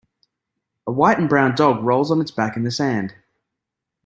A white and brown dog rolls on its back in the sand.